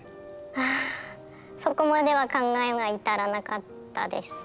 あそこまでは考えが至らなかったです。